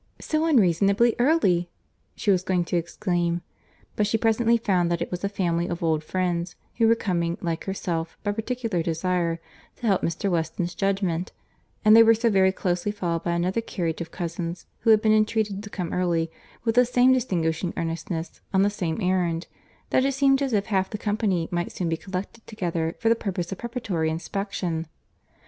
"So unreasonably early!" she was going to exclaim; but she presently found that it was a family of old friends, who were coming, like herself, by particular desire, to help Mr. Weston's judgment; and they were so very closely followed by another carriage of cousins, who had been entreated to come early with the same distinguishing earnestness, on the same errand, that it seemed as if half the company might soon be collected together for the purpose of preparatory inspection.